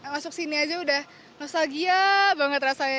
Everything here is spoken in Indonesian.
masuk sini aja udah nostalgia banget rasanya